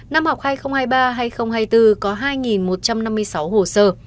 năm học hai nghìn hai mươi ba hai nghìn hai mươi bốn có hai một trăm năm mươi sáu hồ sơ